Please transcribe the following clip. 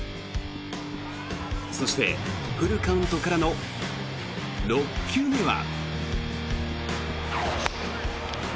そして、フルカウントからの６球目は。